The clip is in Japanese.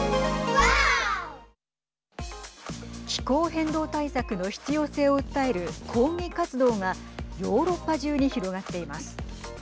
気候変動対策の必要性を訴える抗議活動がヨーロッパ中に広がっています。